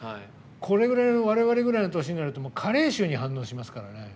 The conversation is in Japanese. これぐらい我々ぐらいの年になると加齢臭に反応しますからね。